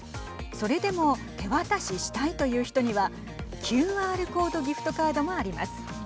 それでも手渡ししたいという人にはＱＲコードギフトカードもあります。